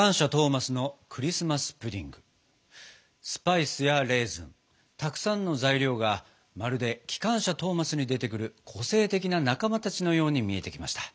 スパイスやレーズンたくさんの材料がまるで「きかんしゃトーマス」に出てくる個性的な仲間たちのように見えてきました。